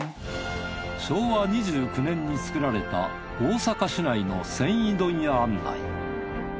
昭和２９年に作られた大阪市内の繊維問屋案内。